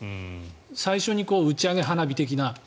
最初に打ち上げ花火的な。